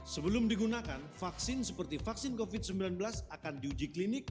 sebelum digunakan vaksin seperti vaksin covid sembilan belas akan diuji klinik